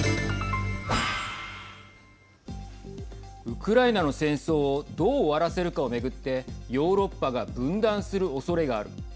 ウクライナの戦争をどう終わらせるかを巡ってヨーロッパが分断するおそれがある。